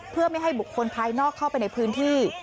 เพื่อไม่ให้บุคคลภายนอกเข้าไปในพื้นที่